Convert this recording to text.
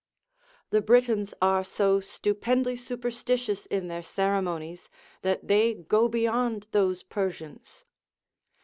The Britons are so stupendly superstitious in their ceremonies, that they go beyond those Persians.